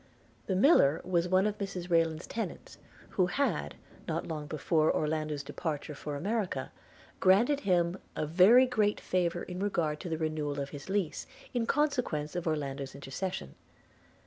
The miller was one of Mrs Rayland's tenants, who had not long before Orlando's departure for America granted him a very great favour in regard to the renewal of his lease, in consequence of Orlando's intercession.